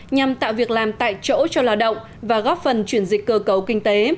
nhằm tạo việc làm tại chỗ cho lao động và góp phần chuyển dịch cơ cấu kinh tế